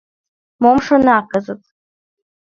Мом шона кызыт?